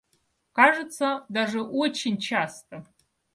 Кажется, даже очень часто.